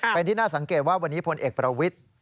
เป็นที่น่าสังเกตว่าวันนี้พลเอกประวิทธิ์